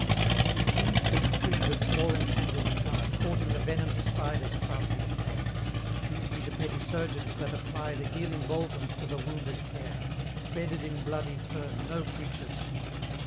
"'Tis these that free the small entangled fly, Caught in the venom'd spider's crafty snare; These be the petty surgeons that apply The healing balsams to the wounded hare, Bedded in bloody fern, no creature's care!